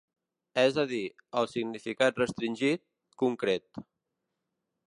És a dir, el significat restringit, concret.